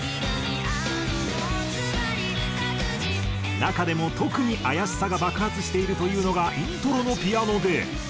中でも特に妖しさが爆発しているというのがイントロのピアノで。